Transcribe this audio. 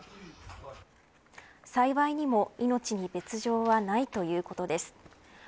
幸いにも命に別条はないということです。